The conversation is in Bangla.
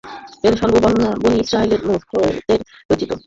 এর সব বর্ণনা বনী ইসরাঈলের মূর্খদের রচিত।